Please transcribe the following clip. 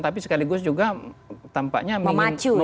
tapi sekaligus juga tampaknya memacu ya